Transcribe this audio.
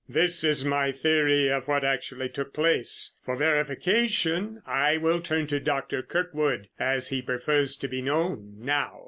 This is my theory of what actually took place. For verification, I will turn to Dr. Kirkwood, as he prefers to be known now."